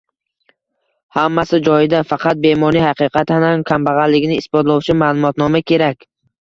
Hammasi joyida, faqat bemorning haqiqatan ham kambag`alligini isbotlovchi ma`lumotnoma kerak